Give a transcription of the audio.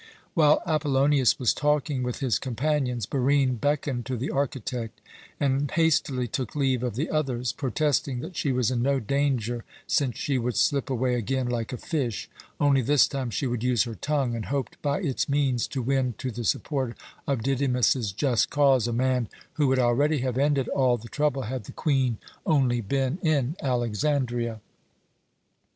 While Apollonius was talking with his companions, Barine beckoned to the architect, and hastily took leave of the others, protesting that she was in no danger, since she would slip away again like a fish, only this time she would use her tongue, and hoped by its means to win to the support of Didymus's just cause a man who would already have ended all the trouble had the Queen only been in Alexandria.